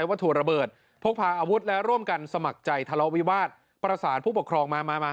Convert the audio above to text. วัตถุระเบิดพกพาอาวุธและร่วมกันสมัครใจทะเลาวิวาสประสานผู้ปกครองมามา